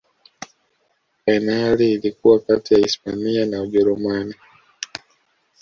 fainali ilikuwa kati ya hispania na ujerumani